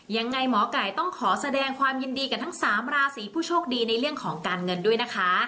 ยังไงหมอไก่ต้องขอแสดงความยินดีกับทั้ง๓ราศีผู้โชคดีในเรื่องของการเงินด้วยนะคะ